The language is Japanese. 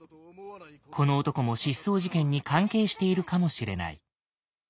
この男も失踪事件に関係しているかもしれない。